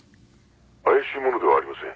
☎怪しい者ではありません。